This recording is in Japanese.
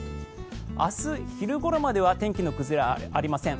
明日昼頃までは天気の崩れはありません。